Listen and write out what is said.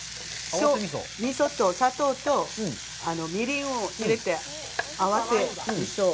味噌と砂糖とみりんを入れて、合わせ味噌を。